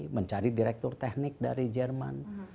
mencari direktur teknik dari jerman